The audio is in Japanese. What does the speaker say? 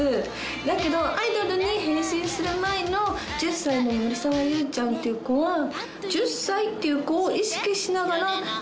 だけどアイドルに変身する前の１０歳の森沢優ちゃんっていう子は１０歳っていう子を意識しながらやってたんで。